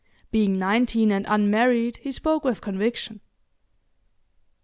Being nineteen and unmarried, he spoke with conviction.